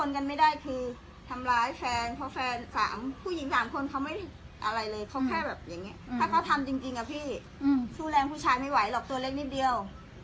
ต่อหน้าตำรวจพี่ต่อหน้าตำรวจเลย